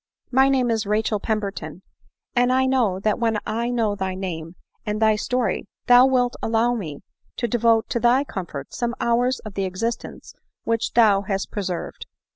My name is Rachel Pemberton ; and I hope that when 1 know thy name, and thy story, thou wilt allow me to devote to thy comfort some hours of the existence which thou hast preserved."